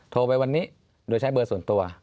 โทรไปวันนี้โดยใช้เบอร์ส่วนตัว